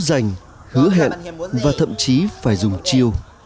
dành hứa hẹn và thậm chí phải dùng chiêu